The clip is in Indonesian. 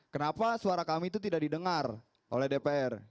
kenapa suara kami itu tidak didengar oleh dpr